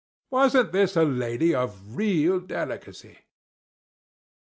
Wasn't this a lady of real delicacy?